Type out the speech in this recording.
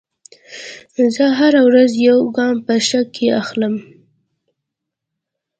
زه هره ورځ یو ګام په ښه کې اخلم.